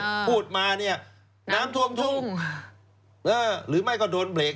อ่าพูดมาเนี้ยน้ำทุ่มทุ่มหรือไม่ก็โดนเบรก